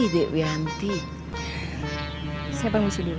saya bangun dulu